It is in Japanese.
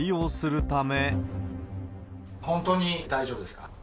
本当に大丈夫ですか？